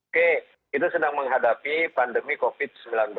oke kita sedang menghadapi pandemi covid sembilan belas